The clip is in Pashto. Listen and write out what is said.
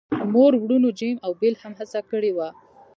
مور وروڼو جیم او بیل هم هڅه کړې وه